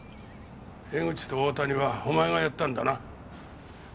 江口と大谷はお前がやったんだな。